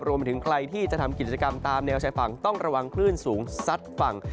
รวมถึงใครที่จะทำกิจกรรมตามแนวชายฝั่งต้องระวังคลื่นสูงซัดฝั่ง